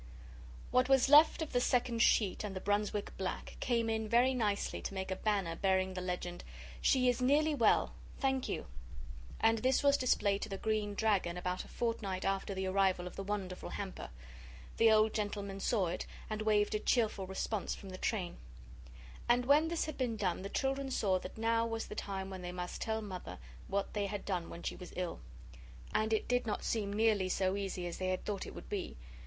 What was left of the second sheet and the Brunswick black came in very nicely to make a banner bearing the legend SHE IS NEARLY WELL THANK YOU and this was displayed to the Green Dragon about a fortnight after the arrival of the wonderful hamper. The old gentleman saw it, and waved a cheerful response from the train. And when this had been done the children saw that now was the time when they must tell Mother what they had done when she was ill. And it did not seem nearly so easy as they had thought it would be.